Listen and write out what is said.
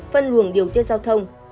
phân luồng điều tiết giao thông